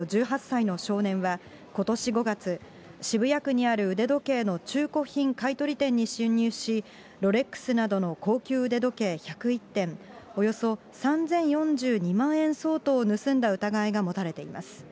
警視庁によりますと、会社員の新井清文容疑者と１８歳の少年はことし５月、渋谷区にある腕時計の中古品買い取り店に侵入し、ロレックスなどの高級腕時計１０１点、およそ３０４２万円相当を盗んだ疑いが持たれています。